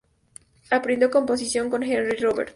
Aprendió composición con Henri Rober.